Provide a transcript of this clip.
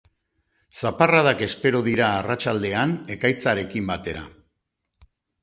Zaparradak espero dira arratsaldean, ekaitzarekin batera.